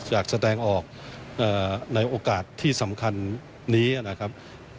อยากแสดงออกในโอกาสที่สำคัญนี้นะครับ